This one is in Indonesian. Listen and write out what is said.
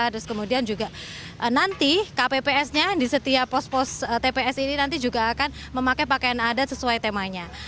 terus kemudian juga nanti kpps nya di setiap pos pos tps ini nanti juga akan memakai pakaian adat sesuai temanya